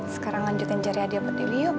sekarang lanjutin cari hadiah buat deli yuk